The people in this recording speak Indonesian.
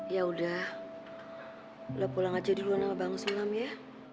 ya udah lo pulang aja dulu sama bangus ya